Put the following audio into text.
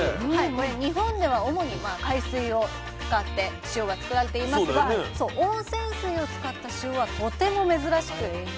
これ日本では主に海水を使って塩がつくられていますが温泉水を使った塩はとても珍しく全国でも数か所しかないそうです。